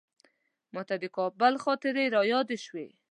ماته د کابل خاطرې رایادې شوې.